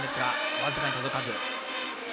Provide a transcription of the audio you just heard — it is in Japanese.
わずかに届かず。